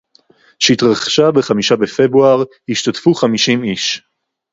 שהתרחשה בחמישה בפברואר, השתתפו חמישים איש